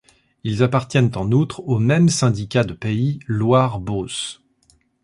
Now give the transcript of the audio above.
Ils appartiennent en outre au même syndicat de pays Loire Beauce.